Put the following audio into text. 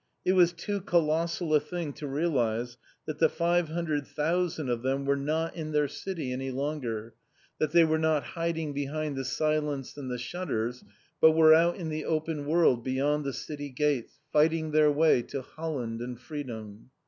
It was too colossal a thing to realise that the five hundred thousand of them were not in their city any longer, that they were not hiding behind the silence and the shutters, but were out in the open world beyond the city gates, fighting their way to Holland and freedom.